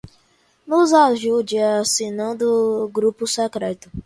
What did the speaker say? nos ajude assinando o grupo secreto